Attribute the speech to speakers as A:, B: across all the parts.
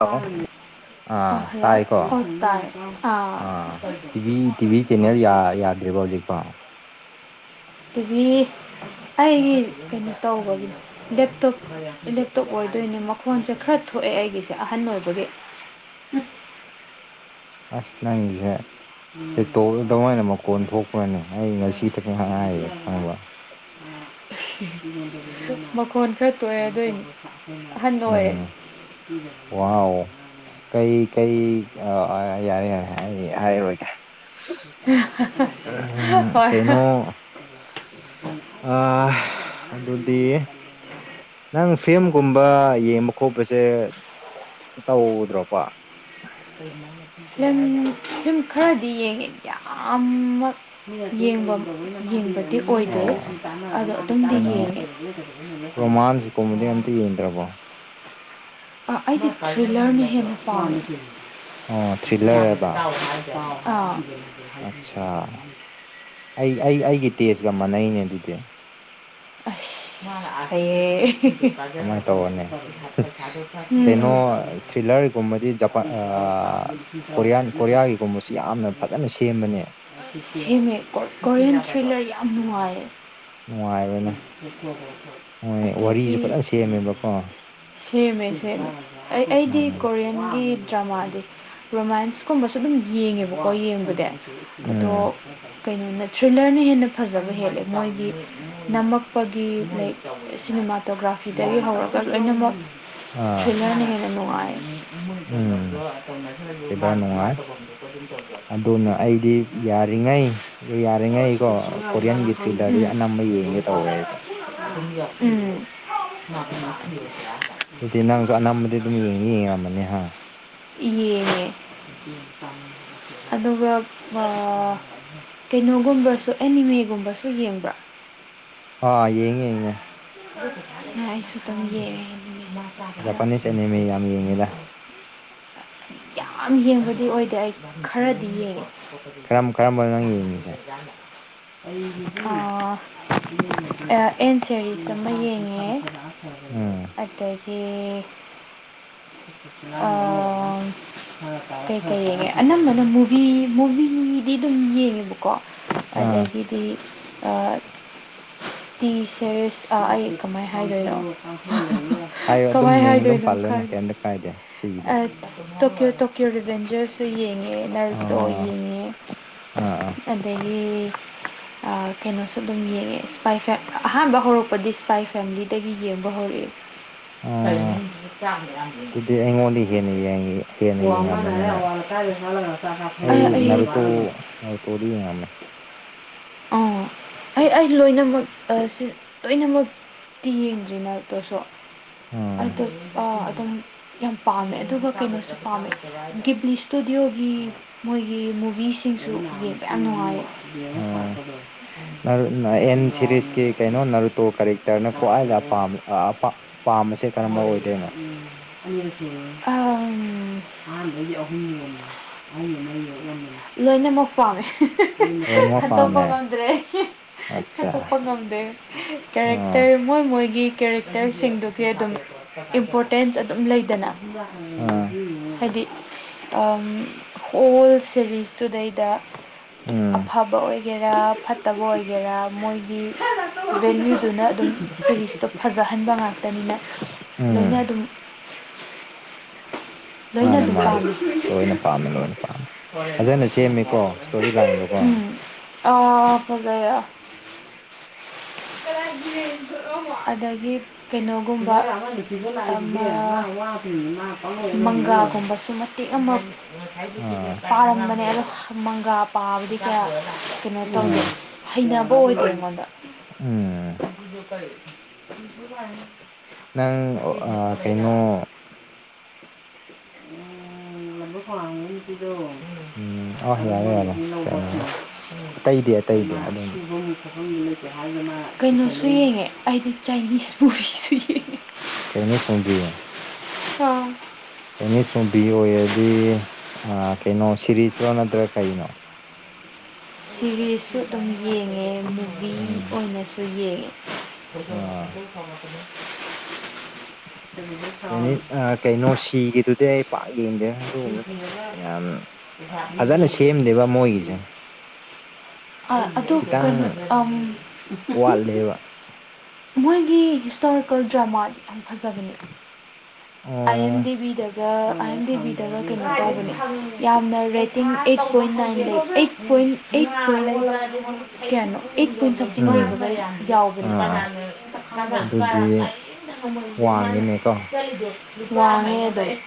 A: hello
B: ꯑꯥ hello ꯑꯧ ꯇꯥꯢ ꯑꯥ
A: ꯁꯤꯛꯅꯦꯜ ꯌꯥ ꯌꯥꯗ꯭ꯔꯤꯕꯣ ꯍꯧꯖꯤꯛꯐꯥꯎ
B: ꯇꯤꯚꯤ ꯑꯩꯒꯤ ꯀꯩꯅꯣ ꯇꯧꯕꯒꯤꯅꯦ ꯂꯦꯞꯇꯣꯞ ꯂꯦꯞꯇꯣꯞ ꯑꯣꯏꯗꯣꯏꯅꯦ ꯃꯈꯣꯟꯁꯦ ꯈꯔ ꯊꯣꯛꯑꯦ ꯑꯩꯒꯤꯁꯦ ꯑꯍꯟ ꯑꯣꯏꯕꯒꯤ
A: ꯑꯁ ꯅꯪꯒꯤꯖꯦ [unintelligible] ꯑꯗꯨꯃꯥꯏꯅ ꯃꯈꯣꯟ ꯊꯣꯛꯄ꯭ꯔꯥꯅꯦ ꯑꯩ ꯉꯁꯤ ꯊ ꯉꯥꯏꯔꯤ ꯈꯪꯕ
B: ꯃꯈꯣꯟ ꯈꯔ ꯇꯣꯛꯑꯦ ꯑꯗꯨꯏꯅꯤ ꯑꯍꯟꯕ ꯑꯣꯏꯌꯦ
A: ꯎꯝ ꯋꯥꯎ ꯀꯩ ꯀꯩ ꯑꯥ ꯌꯥꯔꯦ ꯌꯥꯔꯦ ꯑꯩ ꯍꯥꯏꯕꯔꯣꯏꯒꯦ ꯎꯝ
B: ꯍꯣꯏ
A: ꯀꯩꯩꯅꯣ ꯑꯥ ꯑꯗꯨꯗꯤ ꯅꯪ ꯐꯤꯝꯒꯨꯝꯕ ꯌꯦꯡꯕ ꯈꯣꯠꯄꯁꯦ ꯇꯧꯗ꯭ꯔꯣꯄꯥ
B: [unintelligible] ꯐꯤꯂꯝ ꯐꯤꯂꯝ ꯈꯔꯗꯤ ꯌꯦꯡꯉꯦ ꯌꯥꯝꯃꯛ ꯌꯦꯡꯕ ꯌꯦꯡꯕꯗꯤ ꯑꯣꯏꯗꯦ
A: ꯑꯣ
B: ꯑꯗꯣ ꯑꯗꯨꯝꯗꯤ ꯌꯦꯡꯉꯦ
A: ꯀꯨꯝꯕꯗꯤ ꯑꯝꯇ ꯌꯦꯡꯗ꯭ꯔꯕꯣ
B: ꯑꯥ ꯑꯩꯗꯤ ꯊ꯭ꯔꯤꯂꯔꯅ ꯍꯦꯟꯅ ꯄꯥꯝꯃꯤ
A: ꯑꯣ ꯊ꯭ꯔꯤꯂꯔ
B: [unintelligible]
A: ꯑꯠꯆꯥꯥ ꯑꯩ ꯑꯩ ꯑꯩꯒꯤ ꯇꯦꯖꯀ ꯃꯥꯟꯅꯩꯅꯦ ꯑꯗꯨꯗꯤ
B: ꯑꯁ ꯍꯩꯌꯦ ꯑꯦ ꯍꯦ ꯍꯦ
A: ꯀꯃꯥꯏꯅ ꯇꯧꯔꯅꯦ ꯀꯩꯅꯣ
B: ꯎꯝ
A: ꯊ꯭ꯔꯤꯂꯔꯒꯨꯝꯕꯗꯤ ꯖꯄꯥꯟ ꯑꯥ ꯀꯣꯔꯤꯌꯟ ꯀꯣꯔꯤꯌꯥꯒꯤꯒꯨꯝꯕꯁꯤ ꯌꯥꯝꯅ ꯐꯖꯅ ꯁꯦꯝꯕꯅꯦ
B: ꯁꯦꯝꯃꯦ ꯀꯣꯔꯤꯌꯟ ꯊ꯭ꯔꯤꯂꯔ ꯌꯥꯝ ꯅꯨꯡꯉꯥꯏꯌꯦ
A: ꯅꯨꯡꯉꯥꯏꯕꯅꯦ ꯃꯣꯏ
B: ꯑꯗꯒꯤ
A: ꯋꯥꯔꯤꯁꯨ ꯐꯖꯅ ꯁꯦꯝꯃꯦꯕꯀꯣ
B: ꯁꯦꯝꯃꯦꯁꯦ ꯑꯩ ꯑꯩꯗꯤ
A: ꯎꯝ
B: ꯀꯣꯔꯤꯌꯟ ꯒꯤ ꯗ꯭ꯔꯃꯥꯗꯤ ꯔꯣꯃꯦꯟꯁꯀꯨꯝꯕꯁꯨ ꯑꯗꯨꯝ ꯌꯦꯡꯉꯦꯕꯀꯣ ꯌꯦꯡꯕꯗꯤ ꯑꯗꯣ
A: ꯎꯝ
B: ꯀꯩꯅꯣꯅ ꯊ꯭ꯔꯤꯂꯔꯅ ꯍꯦꯟꯅ ꯐꯖꯕ ꯍꯦꯜꯂꯦ ꯃꯣꯏꯒꯤ ꯅꯝꯃꯛꯄꯒꯤ ꯁꯤꯅꯦꯃꯥꯇꯣꯒ꯭ꯔꯥꯐꯤꯗꯒꯤ ꯍꯧꯔꯒ ꯂꯣꯏꯅꯃꯛ
A: ꯑꯥ
B: ꯊ꯭ꯔꯤꯂꯔꯅ ꯍꯦꯟꯅ ꯅꯨꯡꯉꯥꯏꯌꯦ
A: ꯎꯝ ꯊ꯭ꯔꯤꯂꯔ ꯅꯨꯡꯉꯥꯏ ꯑꯗꯨꯅ
B: [unintelligible]
A: ꯑꯩꯗꯤ ꯌꯥꯔꯤꯉꯩ ꯌꯥꯔꯤꯉꯩ ꯀꯣ ꯀꯣꯔꯤꯌꯟꯒꯤ ꯊ꯭ꯔꯤꯂꯔꯗꯤ ꯑꯅꯝꯕ ꯌꯦꯡꯒꯦ ꯇꯧꯋꯦ ꯑꯩꯗꯤ
B: ꯎꯝ
A: ꯑꯗꯨꯗꯤ ꯅꯪꯁꯨ ꯑꯅꯝꯕꯗꯤ ꯑꯗꯨꯝ ꯌꯦꯡꯅꯤ ꯌꯦꯡꯉꯝꯃꯅꯤ ꯍꯥ
B: ꯌꯦꯡꯉꯦ ꯑꯗꯨꯒ ꯑꯥ ꯀꯩꯅꯣꯒꯨꯝꯕꯁꯨ ꯑꯦꯅꯤꯃꯦꯒꯨꯝꯕꯁꯨ ꯌꯦꯡꯕ꯭ꯔꯣ
A: ꯑꯥ ꯌꯦꯡꯉꯦ ꯌꯦꯡꯉꯦ
B: ꯑꯥ ꯑꯩꯁꯨ ꯗꯨꯝ ꯌꯦꯡꯉꯦ ꯈꯔ
A: ꯖꯄꯥꯅꯤꯁ ꯑꯦꯅꯤꯃꯦ ꯌꯥꯝ ꯌꯦꯡꯉꯦꯗ
B: ꯌꯥꯝ ꯌꯦꯡꯕꯗꯤ ꯑꯣꯏꯗꯦ ꯑꯩ ꯈꯔꯗꯤ ꯌꯦꯡꯉꯦ
A: ꯀꯔꯝ ꯀꯔꯝꯕꯅꯣ ꯅꯪ ꯌꯦꯡꯉꯤꯁꯦ
B: [unintelligible] ꯑ ꯑꯦꯟ ꯁꯦꯔꯤꯁ ꯑꯃ ꯌꯦꯡꯉꯦ
A: ꯎꯝ
B: ꯑꯗꯒꯤ ꯑ ꯀꯩ ꯀꯩ ꯌꯦꯡꯉꯦ ꯑꯅꯝꯕꯅ ꯃꯨꯚꯤ ꯃꯨꯚꯤꯗꯤ ꯑꯗꯨꯝ ꯌꯦꯡꯉꯦꯕ ꯀꯣ
A: ꯑꯥ
B: ꯑꯗꯒꯤꯗꯤ ꯑ ꯇꯤ ꯁꯦꯔꯤꯁ ꯥꯑꯥ ꯑꯩ ꯀꯃꯥꯏ ꯍꯥꯏꯗꯣꯏꯅꯣ
A: ꯍꯥꯏꯌꯣ ꯑꯗꯨꯝ
B: ꯀꯃꯥꯏ
A: ꯃꯤꯡꯗꯨꯝ
B: ꯍꯥꯏꯗꯣꯏꯅꯣ
A: ꯄꯜꯂꯣꯅꯦ
B: ꯈꯪꯗꯦ
A: ꯀꯩꯝꯇ ꯀꯥꯏꯗꯦ ꯁꯤꯒꯤꯅ
B: ꯇꯣꯀꯤꯌꯣ ꯇꯣꯀꯤꯌꯣ ꯔꯤꯚꯦꯟꯖꯔꯁꯨ ꯌꯦꯡꯉꯦ ꯑꯦꯅꯔꯁꯇꯣ
A: ꯑꯣ
B: ꯌꯦꯅꯤꯡꯉꯦ
A: ꯑꯥ ꯑꯥ
B: ꯑꯗꯩ ꯗꯤ ꯑꯥ ꯀꯩꯅꯣꯁꯨ ꯑꯗꯨꯝ ꯌꯦꯡꯉꯦ ꯏꯁꯄꯥꯏꯐꯦꯠ ꯑꯍꯥꯟꯕ ꯍꯧꯔꯞ ꯄꯗꯤ ꯁꯐꯥꯏ ꯐꯦꯃꯤꯂꯤꯗꯒꯤ ꯌꯦꯡꯕ ꯍꯧꯔꯛꯑꯦ
A: ꯑꯣ ꯑꯗꯨꯗꯤ ꯑꯩꯉꯣꯟꯗꯩ
B: [unintelligible]
A: ꯍꯦꯟꯅ ꯌꯦꯡꯉꯤ ꯍꯦꯟꯅ ꯌꯦꯡꯉꯝꯃꯅꯤ ꯅꯪ
B: ꯑꯥ
A: ꯑꯩ ꯅꯥꯔꯨꯇꯣ ꯅꯥꯔꯨꯇꯣꯗꯤ ꯌꯦꯡꯉꯝꯃꯦ
B: ꯑꯩ ꯑꯣ ꯑꯩ ꯑꯩ ꯂꯣꯏꯅꯃꯛ ꯑꯥ ꯁꯤ ꯂꯣꯏꯅꯃꯛ ꯇꯤ ꯌꯦꯡꯗ꯭ꯔꯤꯅ ꯇꯣꯁꯣ
A: ꯑꯥ
B: ꯑꯇꯨꯞꯄ ꯑꯗꯨꯝ ꯌꯥꯝ ꯄꯥꯝꯃꯦ ꯑꯗꯨꯒ ꯀꯩꯅꯣꯁꯨ ꯄꯥꯝꯃꯦ ꯒꯦꯕꯂꯤ ꯁꯇꯨꯗꯤꯑꯣꯒꯤ ꯃꯣꯏꯒꯤ ꯃꯨꯚꯤꯁꯤꯡꯁꯨ ꯌꯦꯡꯕ ꯌꯥꯝ ꯅꯨꯡꯉꯥꯏꯌꯦ
A: ꯑꯣ ꯅꯔꯨꯅꯥ ꯑꯦꯟ ꯁꯦꯔꯤꯁꯀꯤ ꯀꯩꯅꯣ ꯅꯔꯨꯇꯣ ꯀꯔꯤ ꯇꯔꯅ ꯀ꯭ꯋꯥꯏꯂ ꯄꯥꯝ ꯑꯥ ꯄꯥ ꯄꯥꯝꯕꯁꯦ ꯀꯔꯝꯕ ꯑꯣꯏꯗꯣꯏꯅꯣ
B: [inaudible] ꯂꯣꯏꯅꯃꯛ ꯄꯥꯝꯃꯦ
A: ꯂꯣꯏꯅꯃꯛ
B: ꯈꯟꯇꯣꯛꯄ
A: ꯄꯥꯝꯃꯦ
B: ꯉꯝꯗ꯭ꯔꯦ
A: ꯑꯠꯆꯥ
B: ꯈꯟꯇꯣꯛꯄ ꯉꯝꯗ꯭ꯔꯦ
A: ꯑꯥ
B: ꯀꯦꯔꯦꯛꯇꯔ ꯃꯣꯏ ꯃꯣꯏꯒꯤ ꯀꯦꯔꯦꯛꯇꯔꯁꯤꯡꯗꯨꯒꯤ ꯑꯗꯨꯝ ꯏꯝꯄꯣꯔꯇꯦꯟꯁ ꯑꯗꯨꯝ ꯂꯩꯗꯅ
A: ꯑꯥ
B: ꯍꯥꯏꯗꯤ ꯑꯝ ꯑꯣꯜ ꯁꯦꯔꯤꯁꯇꯨꯗꯩꯗ
A: ꯎꯝ
B: ꯑꯐꯕ ꯑꯣꯏ ꯒꯦꯔꯥ ꯐꯠꯇꯕ ꯑꯣꯏꯒꯦꯔꯥ ꯃꯣꯏꯒꯤ ꯚꯦꯂꯨ ꯗꯨꯅ ꯑꯗꯨꯝ ꯁꯦꯔꯤꯁꯇꯣ ꯐꯖꯍꯟꯕ ꯉꯥꯛꯇꯅꯤꯅ
A: ꯎꯝ
B: ꯂꯣꯏꯅ ꯑꯗꯨꯝ ꯂꯣꯏꯅ
A: ꯃꯥꯅꯦ
B: ꯑꯗꯨꯝ
A: ꯃꯥꯅꯦ
B: ꯄꯥꯝꯃꯤ
A: ꯂꯣꯏꯅ ꯄꯥꯝꯃꯦ ꯂꯣꯏꯅ ꯄꯥꯝ
B: ꯎꯝ ꯑꯣ ꯐꯖꯩꯑꯥ ꯑꯗꯒꯤ ꯀꯩꯅꯣ ꯃꯪꯒꯥ ꯒꯨꯝꯕ ꯃꯇꯦꯛ
A: ꯑꯥ
B: ꯄꯔꯝꯕꯅꯦ ꯑꯗꯣ ꯃꯪꯒꯥꯄꯕꯗꯤ ꯈꯔ ꯀꯩꯅꯣ ꯇꯧꯗꯦ
A: ꯑꯥ
B: ꯍꯩꯅꯕ ꯑꯣꯏꯗꯦ ꯑꯩꯉꯣꯟꯗ
A: ꯎꯝ
B: [inaudible]
A: ꯅꯪ ꯑꯣ
B: ꯐ꯭ꯔꯤꯗ
A: ꯑꯥ ꯀꯩꯅꯣ
B: ꯊꯕꯩꯔꯕ [inaudible] [inaudible]
A: ꯎꯝ ꯑ ꯌꯥꯔꯦ ꯌꯥꯔꯦ ꯀꯩꯅꯣ ꯑꯇꯩꯗꯤ ꯑꯇꯩꯗꯤ ꯑꯗꯨꯝ
B: ꯀꯩꯅꯣꯁꯨ ꯌꯦꯡꯉꯦ ꯑꯩꯗꯤ ꯆꯥꯏꯅꯤꯁ ꯄꯨꯔꯤꯁꯨ ꯌꯦꯡꯉꯦ
A: ꯆꯥꯏꯅꯤꯁ ꯕꯣꯝꯕꯤ
B: [unintelligible]
A: ꯆꯥꯏꯅꯤꯁ ꯆꯣꯝꯚꯤ ꯑꯣꯏꯔꯗꯤ ꯑꯥ ꯀꯩꯅꯣ ꯁꯤꯔꯤꯁꯔꯣ ꯅꯠꯇ꯭ꯔ ꯀꯩꯅꯣ
B: ꯁꯤꯔꯤꯁꯁꯨ ꯑꯗꯨꯝ ꯌꯦꯡꯉꯦ ꯃꯨꯚꯤ
A: ꯎꯝ
B: ꯑꯣꯏꯅꯁꯨ ꯌꯦꯡꯉꯦ
A: ꯑꯥ
B: [inaudible]
A: ꯌꯨꯅꯤꯠ ꯑꯥ ꯀꯩꯅꯣ ꯁꯤꯒꯤꯗꯨꯗꯤ ꯑꯩ ꯄꯥꯛ ꯌꯦꯡꯗꯦ ꯑꯗꯨꯒꯨꯝꯕꯗꯣ ꯌꯥꯝ ꯑ ꯐꯖꯅ ꯁꯦꯝꯗꯦꯕ ꯃꯣꯏꯒꯤꯁꯦ
B: ꯑꯥ ꯑꯗꯨ
A: ꯈꯤꯇꯪ
B: ꯀꯩꯅꯣ ꯑꯥꯝ
A: ꯋꯥꯠꯂꯦꯕ
B: [unintelligible] ꯃꯣꯏꯒꯤ ꯍꯤꯁꯇꯣꯔꯤꯀꯜ ꯗ꯭ꯔꯃꯥ ꯌꯥꯝ ꯐꯖꯕꯅꯦ
A: ꯑꯣ
B: ꯑꯥꯌꯦꯟꯗꯦꯕꯤꯗꯒ ꯑꯥꯌꯟꯗꯦꯕꯤ ꯗꯒ ꯀꯩꯅꯣ ꯇꯧꯕꯅꯦ ꯌꯥꯝꯅ ꯔꯦꯇꯤꯡ ꯑꯩꯠ ꯄꯣꯏꯟ ꯅꯥꯏꯟ ꯂꯩ ꯑꯩꯠ ꯄꯣꯏꯟ ꯑꯩꯠ ꯄꯣꯏꯟ [unintelligible] ꯀꯌꯥꯅꯣ ꯑꯦꯠ ꯄꯣꯏꯟ ꯁꯝꯊꯤꯡ
A: ꯎꯝ
B: ꯂꯩꯕꯒ ꯌꯥꯎꯕꯅꯤ
A: ꯑꯥ ꯑꯥ ꯑꯗꯨꯗꯤ
B: [unintelligible]
A: ꯋꯥꯡꯉꯤꯅꯦꯀꯣ
B: [unintelligible] ꯋꯥꯡꯉꯦ ꯑꯗꯨꯝ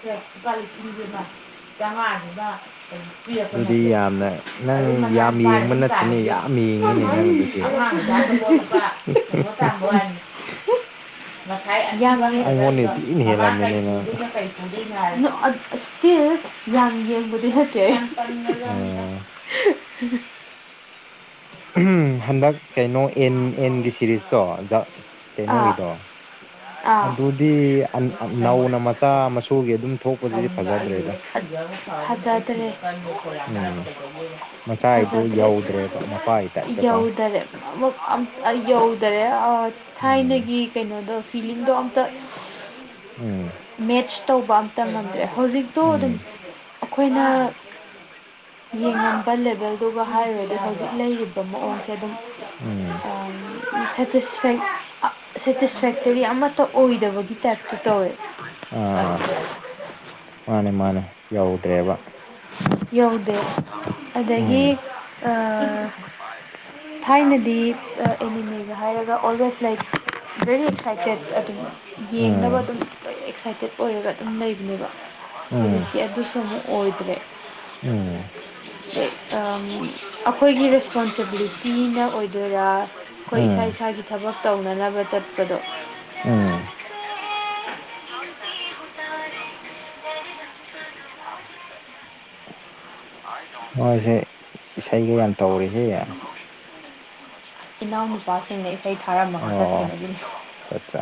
B: [unintelligible] ꯆꯉꯥꯗꯨꯒ ꯀꯩꯝ ꯄꯤꯔꯛꯄ
A: ꯑꯗꯨꯗꯤ
B: ꯅꯠꯇꯦ
A: ꯌꯥꯝꯅ ꯅꯪ
B: ꯑꯗꯨꯝ ꯃꯆꯥ
A: ꯌꯥꯝ
B: ꯅꯨꯄꯥ
A: ꯌꯦꯡꯕ
B: ꯗꯨꯅꯥ
A: ꯅꯠꯇꯦꯅꯦ
B: ꯇꯥꯜꯂꯤꯁꯦ
A: ꯌꯥꯝ ꯌꯦꯡꯉꯤꯅꯦ ꯅꯪ ꯑꯗꯨꯗꯤ
B: [unintelligible] ꯀꯩꯅꯣ ꯇꯥꯟꯕ ꯋꯥꯅꯦ ꯍꯤ ꯉꯁꯥꯏ ꯑꯌꯥꯕ
A: ꯑꯩꯉꯣꯟꯗ
B: [unintelligible]
A: ꯊꯤꯅ
B: ꯃꯃꯥ ꯀꯩ
A: ꯍꯦꯜꯂꯝꯃꯤꯅꯦ ꯅꯪ
B: ꯄꯨꯗꯣꯏꯅꯣ ꯀꯩ [unintelligible] ꯑꯁ ꯇꯤꯜ ꯌꯥꯝ ꯌꯦꯡꯕꯗꯤ ꯅꯠꯇꯦ ꯇꯟꯈ꯭ꯔꯖꯥꯠꯅꯤꯗ
A: ꯑꯥ
B: [unintelligible]
A: ꯎꯝ ꯍꯟꯗꯛ ꯀꯩꯅꯣ ꯑꯦꯟ ꯑꯦꯟꯒꯤ ꯁꯦꯔꯤꯁꯇꯣ ꯖꯥ ꯀꯩꯅꯣꯒꯤꯗꯣ
B: ꯑ
A: ꯑꯗꯨꯗꯤ ꯑꯟ ꯑꯟ ꯅꯧꯅ ꯃꯆꯥ ꯃꯁꯨꯒꯤ ꯑꯗꯨꯝ ꯊꯣꯛꯄꯗꯨꯗꯤ ꯐꯖꯗ꯭ꯔꯦꯗ
B: [unintelligible] ꯐꯖꯗ꯭ꯔꯦ
A: ꯎꯝ
B: [unintelligible]
A: ꯃꯆꯥꯒꯤꯗꯣ
B: ꯐꯖꯗ꯭ꯔꯦ
A: ꯌꯧꯗ꯭ꯔꯦꯕ ꯃꯄꯥꯒꯤ
B: [unintelligible]
A: ꯇꯥꯏꯞꯇꯀꯣ
B: ꯌꯧꯗꯔꯦ ꯑꯃꯨꯛ ꯑꯝ ꯑ ꯌꯧꯗꯔꯦ ꯑ
A: ꯎꯝ
B: ꯊꯥꯏꯅꯒꯤ ꯀꯩꯅꯣꯗꯣ ꯐꯤꯂꯤꯡꯗꯣ ꯑꯝꯇ ꯁ꯭ꯁ
A: ꯎꯝ
B: ꯃꯦꯠꯆ ꯇꯧꯕ ꯑꯝꯇ ꯉꯝꯗ꯭ꯔꯦ ꯍꯧꯖꯤꯛꯇꯣ ꯑꯗꯨꯝ
A: ꯎꯝ
B: ꯑꯈꯣꯏꯅ ꯌꯦꯡꯉꯝꯕ ꯂꯦꯕꯦꯜꯗꯨꯒ ꯍꯥꯏꯔꯨꯔꯗꯤ ꯍꯧꯖꯤꯛ ꯂꯩꯔꯤꯕ ꯃꯑꯣꯡꯁꯦ ꯑꯗꯨꯝ
A: ꯎꯝ
B: ꯁꯦꯇꯤꯁꯐꯦꯛ ꯑ ꯁꯦꯇꯤꯁꯐꯦꯛꯇꯔꯤ ꯑꯃꯠꯇ ꯑꯣꯏꯗꯕꯒꯤ ꯇꯥꯏꯞꯇ ꯇꯧꯋꯦ
A: ꯑꯥ ꯑꯥ
B: [unintelligible]
A: ꯃꯥꯅꯦ ꯃꯥꯅꯦ ꯌꯧꯗ꯭ꯔꯦꯕꯥ
B: ꯌꯧꯗꯦ ꯑꯗꯒꯤ
A: ꯎꯝ
B: ꯑꯥ [unintelligible] ꯊꯥꯏꯅꯗꯤ ꯑ ꯑꯦꯅꯤꯃꯦꯒ ꯍꯥꯏꯔꯒ ꯑꯣꯜꯋꯦꯁ ꯂꯩ ꯕꯦꯔꯤ ꯑꯦꯛꯁꯥꯏꯇꯦꯠ ꯑꯗꯨꯝ ꯌꯦꯡꯅꯕ
A: ꯎꯝ
B: ꯑꯗꯨꯝ ꯑꯦꯛꯁꯥꯏꯇꯦꯠ ꯑꯣꯏꯔꯒ ꯑꯗꯨꯝ ꯂꯩꯕꯅꯦꯕ
A: ꯎꯝ
B: ꯍꯧꯖꯤꯛꯇꯤ ꯑꯗꯨꯁꯨ ꯃꯨꯛ ꯑꯣꯏꯗ꯭ꯔꯦ
A: ꯎꯝ
B: ꯑꯦꯛ ꯑꯝ ꯑꯩꯈꯣꯏꯒꯤ ꯔꯦꯁꯄꯣꯟꯁꯤꯕꯤꯂꯤꯇꯤꯅ ꯑꯣꯏꯗꯣꯏꯔꯥ ꯈꯣꯏ ꯏꯁꯥ
A: ꯎꯝ
B: ꯏꯁꯥꯒꯤ ꯊꯕꯛ ꯇꯧꯅꯅꯕ ꯆꯠꯄꯗꯣ
A: ꯎꯝ ꯃꯣꯏꯁꯦ ꯏꯁꯩꯒ ꯌꯥꯝ ꯇꯧꯔꯤꯍꯦ
B: ꯏꯅꯥꯎꯅꯨꯄꯥꯁꯤꯡꯅꯦ ꯏꯁꯩ ꯊꯥꯔꯝꯃꯒ
A: ꯑꯣ
B: ꯆꯠꯈꯔꯦ ꯑꯗꯨꯏꯅꯦ
A: ꯆꯠꯆꯥ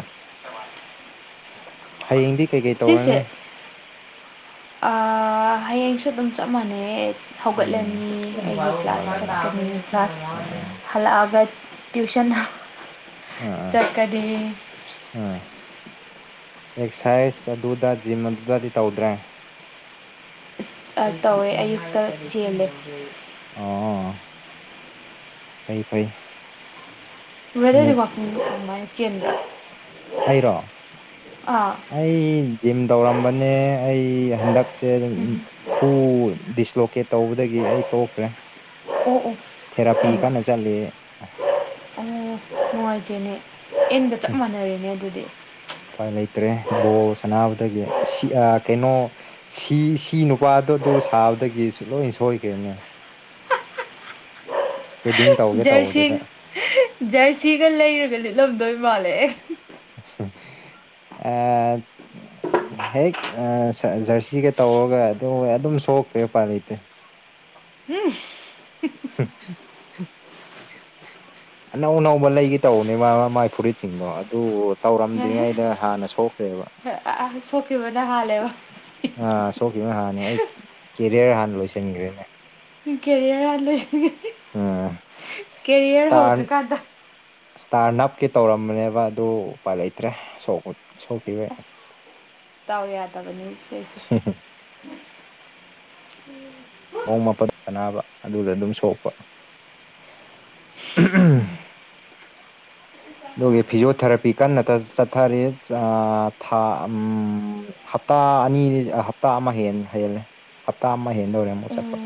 A: ꯍꯌꯦꯡꯗꯤ ꯀꯩꯀꯩ ꯇꯧꯔꯅꯤ
B: ꯑꯥ ꯍꯌꯦꯡꯁꯨ ꯑꯗꯨꯝ ꯆꯞ ꯃꯥꯟꯅꯩꯌꯦ
A: ꯎꯝ
B: ꯍꯧꯒꯠꯂꯅꯤ ꯑꯩꯒꯤ ꯀ꯭ꯂꯥꯁ
A: ꯍꯧꯒꯠꯂꯅꯤ
B: ꯆꯠꯀꯅꯤ ꯀ꯭ꯂꯥꯁ
A: ꯑꯥ
B: ꯍꯜꯂꯛꯑꯒ ꯇ꯭ꯌꯨꯁꯟ ꯑꯍ ꯆꯠꯀꯅꯤ
A: ꯎꯝ ꯑꯦꯛꯁꯥꯏꯁ ꯑꯗꯨꯗꯥ ꯖꯤꯝ ꯑꯗꯨꯗꯥꯗꯤ ꯇꯧꯗ꯭ꯔꯦ
B: ꯑꯥ ꯇꯧꯋꯦ ꯑꯌꯨꯛꯇ ꯆꯦꯜꯂꯦ
A: ꯑꯣ ꯐꯩ ꯐꯩ
B: ꯆꯨꯔꯗꯥꯏꯗ
A: ꯃꯤꯅꯤꯠ
B: ꯋꯥꯀꯤꯡ ꯑꯃꯥꯢ ꯆꯦꯟꯕ
A: ꯑꯩꯔꯣ ꯑꯩ ꯖꯤꯝ ꯇꯧꯔꯝꯕꯅꯦ ꯑꯩ ꯍꯟꯗꯛꯁꯦ ꯎ
B: ꯎꯝ
A: [unintelligible] ꯈꯨꯎ ꯗꯤꯁꯂꯣꯀꯦꯠ ꯇꯧꯕꯗꯒꯤ ꯑꯩ ꯇꯣꯛꯈ꯭ꯔꯦ
B: ꯑꯣ ꯑꯣ
A: ꯊꯦꯔꯥꯄꯤ
B: ꯍꯕ
A: ꯀꯟꯅ ꯆꯠꯂꯤ
B: ꯑꯣ ꯅꯨꯡꯉꯥꯏꯇꯦꯅꯦ ꯑ‌ꯦꯟꯒ ꯆꯞ ꯃꯥꯟꯅꯔꯦꯅꯦ ꯑꯗꯨꯗꯤ
A: ꯎꯄꯥꯏ ꯂꯩꯇ꯭ꯔꯦ ꯕꯣꯜ ꯁꯅꯕꯗꯒꯤ ꯁꯤꯑꯥ ꯀꯩꯅꯣ ꯁꯤ ꯁꯤ ꯅꯨꯄꯥꯗꯣ ꯑꯗꯨ ꯁꯥꯕꯗꯒꯤꯁꯨ ꯂꯣꯏꯟ ꯁꯣꯏꯈ꯭ꯔꯦꯅꯦ ꯍꯦꯗꯤꯡ ꯇꯧꯒꯦ
B: ꯖꯔꯁꯤ
A: ꯇꯧꯕꯗꯨꯗ
B: ꯖꯔꯁꯤꯒ ꯂꯩꯔꯒ ꯂꯤꯠꯂꯝꯗꯣꯏ ꯃꯥꯜꯂꯦ
A: ꯑꯥ ꯍꯦꯛ ꯑ ꯁ ꯖꯔꯁꯤꯒ ꯇꯧꯔꯒ ꯑꯗꯨ ꯑꯗꯨꯝ ꯁꯣꯛꯈ꯭ꯔꯦ ꯎꯄꯥꯏ ꯂꯩꯇꯦ
B: [unintelligible]
A: ꯑꯅꯧ ꯑꯅꯧꯕ ꯂꯩꯒꯦ ꯇꯧꯕꯅꯦ ꯃꯥ ꯃꯥꯏ ꯐꯨꯔꯤꯠ ꯁꯤꯡꯗꯣ ꯑꯗꯨ ꯇꯧꯔꯝꯗ꯭ꯔꯤꯉꯩꯗ ꯍꯥꯟꯅ ꯁꯣꯛꯈ꯭ꯔꯦꯕ
B: ꯍ ꯑ ꯁꯣꯛꯈꯤꯕꯅ ꯍꯥꯜꯂꯦꯕ
A: ꯑ ꯁꯣꯛꯈꯤꯕꯅ ꯍꯥꯟꯅꯦ ꯑꯩ ꯀ‌ꯦ ꯀꯦꯔꯤꯌꯔ ꯍꯥꯟꯅ ꯂꯣꯏꯁꯤꯟꯈ꯭ꯔꯦꯅꯦ
B: ꯀ ꯀꯦꯔꯤꯌꯔ ꯍꯥꯟꯅ ꯂꯣꯏꯁꯟ [unintelligible]
A: ꯑꯝ ꯏꯁꯇꯥꯟ
B: ꯍꯧꯗ꯭ꯔꯤꯀꯥꯟꯗ
A: ꯏꯁꯇꯥꯔ ꯅꯞꯀꯤ ꯇꯧꯔꯝꯕꯅꯦꯕ ꯑꯗꯨ ꯎꯄꯥꯏ ꯂꯩꯇ꯭ꯔꯦ ꯁꯣꯛ
B: ꯑꯁ ꯗꯥꯎ ꯌꯥꯗꯕꯅꯤ ꯇꯧꯏꯁ‌ꯦ [unintelligible]
A: [unintelligible] ꯃꯥꯄꯜ ꯁꯅꯥꯕ ꯑꯗꯨꯗ ꯑꯗꯨꯝ ꯁꯣꯛꯄ ꯑꯗꯨꯒꯤ ꯐꯤꯖ‌ꯣꯊꯦꯔꯥꯄꯤ ꯀꯟꯅ ꯇ ꯆꯠꯊꯔꯤ ꯆ ꯊꯥ ꯑꯝ ꯍꯞꯇꯥ ꯑꯅꯤꯅꯤ ꯍꯞꯇꯥ ꯑꯃ ꯍꯦꯟ ꯍꯦꯜꯂꯦ ꯍꯞꯇꯥ ꯑꯃ ꯍꯦꯟꯗꯧꯔꯦ ꯑꯃꯨꯛ
B: ꯑꯣ
A: ꯆꯠꯄ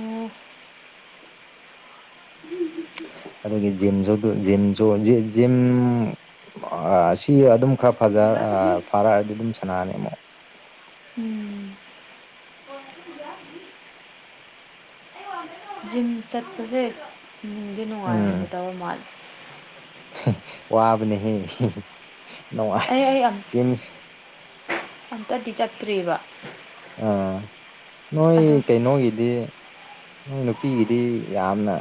A: ꯑꯗꯨꯒꯤ ꯖꯤꯝꯖꯨ ꯗꯨ ꯖꯤꯝꯁꯨ ꯖꯤꯖꯤꯝ ꯑ ꯁꯤ ꯑꯗꯨꯝ ꯈꯔ ꯐꯖ ꯑ ꯐꯥꯔꯑꯗꯤ ꯑꯗꯨꯝ ꯁꯥꯟꯅꯥꯅꯤ ꯑꯃꯨꯛ
B: ꯎꯝ [unintelligible] ꯖꯤꯝ ꯆꯠꯄꯖ‌ꯦ ꯅꯨꯡꯗꯤ ꯅꯨꯡꯉꯥꯏꯔꯝꯒꯗꯕ ꯃꯥꯜꯂꯤ
A: ꯋꯥꯕ ꯅꯦꯍꯦ
B: ꯑꯩ ꯑꯩ ꯑꯝ ꯑꯝꯇꯗꯤ ꯆꯠꯇ꯭ꯔꯤꯕ
A: ꯑ ꯅꯣꯏ
B: ꯑꯗꯨ
A: ꯀꯩ ꯅꯣꯒꯤ ꯗꯤ ꯅꯣꯏ ꯅꯨꯄꯤꯒꯤꯗꯤ ꯌꯥꯝꯅ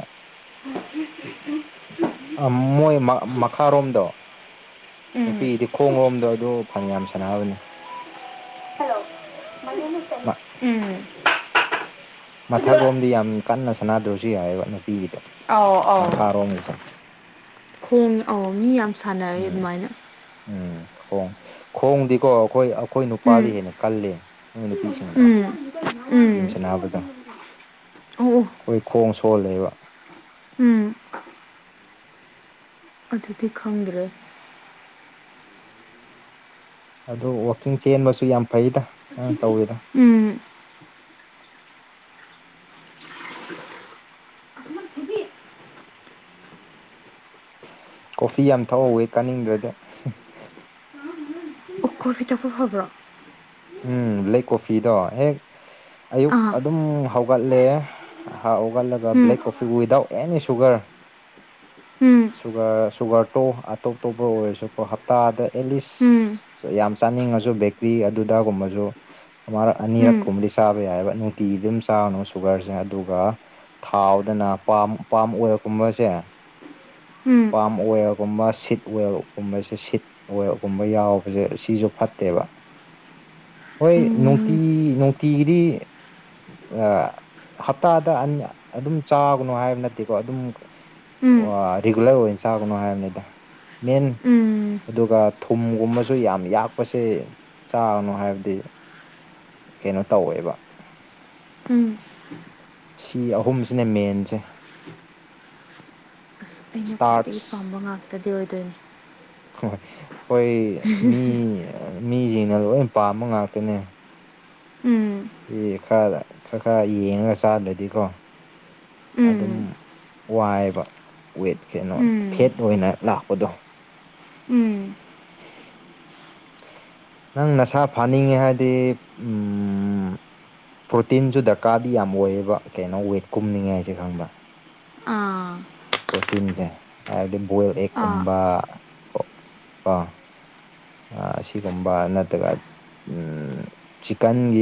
B: [unintelligible]
A: ꯑꯥ ꯃꯣꯏ ꯃ ꯃꯈꯥꯔꯣꯝꯗꯣ
B: ꯎꯝ
A: ꯅꯨꯄꯤꯗꯤ ꯈꯣꯡ ꯂꯣꯝꯗꯣ ꯑꯗꯨ ꯐꯅꯌꯥꯝ ꯁꯥꯟꯅꯕꯅꯦ
B: ꯍꯂꯣ
A: ꯃ
B: [unintelligible] ꯎꯝ
A: ꯃꯊꯛꯂꯣꯝꯗꯤ ꯌꯥꯝ ꯀꯟꯅ ꯁꯥꯟꯅꯗ꯭ꯔꯁꯨ ꯌꯥꯔꯦꯕ ꯅꯨꯄꯤꯒꯤꯗ‌ꯦ
B: ꯑꯧ ꯑꯥꯎ ꯈꯣꯡ ꯑꯥꯎ ꯃꯤ ꯌꯥꯝ ꯁꯥꯟꯅꯔꯦ
A: ꯎꯝ
B: ꯑꯗꯨꯃꯥꯏꯅ
A: ꯎꯝ ꯈꯣꯡ ꯈꯣꯡꯗꯤꯀꯣ ꯑꯩꯈꯣꯏ ꯑꯩꯈꯣꯏ
B: ꯎꯝ
A: ꯅꯨꯄꯥꯗꯤ ꯍꯦꯟꯅ ꯀꯜꯂꯦ ꯅꯣꯏ ꯅꯨꯄꯤꯁꯤꯡ
B: ꯎꯝ ꯎꯝ ꯑꯣ [unintelligible]
A: ꯑꯩꯈꯣꯏ ꯈꯣꯡ ꯁꯣꯜꯂꯦꯕ
B: ꯎꯝ ꯑꯗꯨꯗꯤ ꯈꯪꯗ꯭ꯔꯦ
A: ꯑꯗꯨꯗꫪ ꯋꯥꯛꯀꯤꯡ ꯆꯦꯟꯕꯁꯨ ꯌꯥꯝ ꯐꯩꯗ ꯅꯪ ꯇꯧꯋꯤꯗ‌ꯣ
B: ꯎꯝ
A: ꯀꯣꯐꯤ ꯌꯥꯝ ꯊꯛꯑꯣꯋꯩ ꯀꯥꯅꯤꯡꯗ꯭ꯔꯦꯗ
B: ꯑꯣ ꯀꯣꯐꯤ ꯊꯛꯄ ꯐꯕ꯭ꯔꯣ
A: ꯎꯝ ꯕ꯭ꯂꯦꯛ ꯀꯣꯐꯤꯗꯣ ꯍꯦꯛ ꯑꯌꯨꯛ
B: ꯑꯥ
A: ꯑꯗꯨꯝ ꯍꯧꯒꯠꯂꯦ ꯍꯥꯥ ꯎꯒꯂꯒ
B: ꯎꯝ
A: black coffee without any sugar
B: um
A: sugar ꯁꯨꯒꯔꯇꯣ ꯑꯇꯣꯞ ꯇꯣꯞꯄ ꯑꯣꯏꯔꯁꯨꯀꯣ ꯍꯞꯇꯥꯗ
B: ꯎꯝ
A: ꯑꯦꯂꯤꯁ ꯌꯥꯝ ꯆꯥꯅꯤꯡꯉꯁꯨ ꯕꯦꯀ꯭ꯔꯤ ꯑꯗꯨꯗꯥꯒꯨꯝꯕꯁꯨ ꯑꯃꯔꯛ
B: ꯎꯝ
A: ꯑꯅꯤꯔꯛ ꯀꯨꯝꯗꯤ ꯆꯥꯕ ꯌꯥꯏꯑꯕ ꯅꯨꯡꯇꯤꯒꯤ ꯑꯗꯨꯝ ꯆꯥꯅꯣ ꯁꯨꯒꯔꯁꯦ ꯑꯗꯨꯒ ꯊꯥꯎꯗꯅ ꯄꯥꯝ ꯄꯥꯥꯝ ꯑꯣꯏꯜꯀꯨꯝꯕꯁꯦ
B: ꯎꯝ
A: ꯄꯥꯝ ꯑꯣꯏꯜꯒꯨꯝꯕ ꯁꯤꯠ ꯑꯣꯏꯜꯎꯝꯕꯁꯦ ꯁꯤꯠ ꯑꯣꯏꯜꯒꯨꯝꯕ ꯌꯥꯎꯕꯁꯦ ꯁꯤꯁꯨ ꯐꯠꯇꯦꯕ ꯍꯣꯏ ꯅꯨꯡꯇꯤ ꯅꯨꯡꯇꯤꯒꯤꯗꯤ ꯑ ꯍꯞꯇꯥꯗ ꯑꯟ ꯑꯗꯨꯝ ꯆꯥꯒꯅꯨ ꯍꯥꯏꯕ ꯅꯠꯇꯦꯀꯣ ꯑꯗꯨꯝ
B: ꯎꯝ ꯎꯝ
A: ꯑꯣꯑ ꯔꯤꯒꯨꯂꯔ ꯑꯣꯏꯅ ꯆꯥꯒꯅꯣ ꯍꯥꯏꯕꯅꯤꯗ ꯃꯦꯟ
B: ꯎꯝ
A: ꯑꯗꯨꯒ ꯊꯨꯝꯒꯨꯝꯕꯁꯨ ꯌꯥꯝ ꯌꯥꯛꯄꯁꯦ ꯆꯥꯅꯣ ꯍꯥꯏꯕꯗꯤ ꯀꯦꯅꯣ ꯇꯧꯋꯦꯕ
B: ꯎꯝ
A: ꯁꯤ ꯑꯍꯨꯝꯁꯤꯅꯦ ꯃꯦꯟꯁꯦ
B: ꯑꯁ ꯑꯩꯅ ꯈ꯭ꯋꯥꯏꯗꯒꯤ
A: ꯏꯁꯇꯥꯔꯠꯁ
B: ꯄꯥꯝꯕ ꯉꯥꯛꯇꯗꯤ ꯑꯣꯏꯗꯣꯏꯅꯦ
A: ꯍꯣꯏ ꯍꯣꯏ ꯃꯤ ꯃꯤꯖꯤꯡꯅ ꯂꯣꯏ ꯄꯥꯝꯕ ꯉꯥꯛꯇꯅꯦ
B: ꯎꯝ
A: [unintelligible] ꯈꯔꯗ ꯈꯔ ꯈꯔ ꯌꯦꯡꯉ ꯆꯥꯗ꯭ꯔꯗꯤꯀꯣ ꯑꯗꯨꯝ
B: ꯎꯝ
A: ꯋꯥꯏꯕ ꯋꯦꯠ ꯀꯩꯅꯣ
B: ꯎꯝ
A: ꯐꯦꯠꯇ ꯑꯣꯏꯅ ꯂꯥꯛꯄꯗꯣ
B: ꯎꯝ
A: ꯅꯪ ꯅꯁꯥ ꯐꯥꯅꯤꯡꯉꯦ ꯍꯥꯏꯗꯤ ꯎꯝ ꯄ꯭ꯔꯣꯇꯤꯟꯁꯨ ꯗꯔꯀꯥꯔꯗꯤ ꯌꯥꯝ ꯑꯣꯏꯌꯦꯕ ꯀꯦꯅꯣ ꯋꯦꯠ ꯀꯨꯝꯅꯤꯡꯉꯦꯖꯦ ꯈꯪꯕ꯭ꯔꯥ
B: ꯑꯥ
A: ꯄ꯭ꯔꯣꯇꯤꯟꯖꯦ ꯍꯥꯏꯕꯗꯤ ꯕꯣꯏꯜ
B: ꯑꯥ
A: ꯑꯦꯛꯀꯨꯝꯕ ꯀꯣ ꯑ ꯑꯥ ꯁꯤꯒꯨꯝꯕ ꯅꯠꯇꯑ ꯎꯝ ꯆꯤꯀꯟꯒꯤ